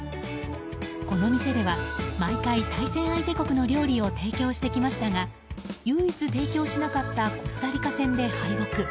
この店では毎回、対戦相手国の料理を提供してきましたが唯一提供しなかったコスタリカ戦で敗北。